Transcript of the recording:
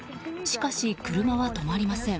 しかし、車は止まりません。